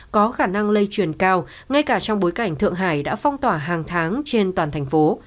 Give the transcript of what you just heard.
có khả năng lây truyền cao ngay cả trong bối cảnh thượng hải đã phong tỏa hàng tháng trên toàn thành phố